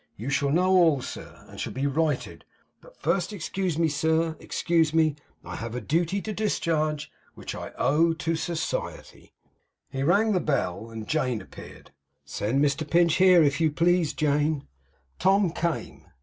You shall know all, sir, and shall be righted. But first excuse me, sir, excuse me. I have a duty to discharge, which I owe to society.' He rang the bell, and Jane appeared. 'Send Mr Pinch here, if you please, Jane.' Tom came.